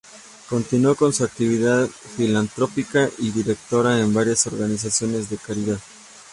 Continúa con su actividad filantrópica y es directora en varias organizaciones de caridad.